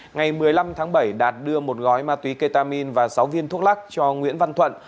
ngày một mươi năm tháng bảy đạt đưa một gói ma túy ketamin và sáu viên thuốc lắc cho nguyễn văn thuận